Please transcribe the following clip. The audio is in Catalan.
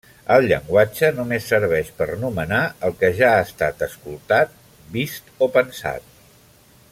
El llenguatge només serveix per nomenar el que ja ha estat escoltat, vist o pensat.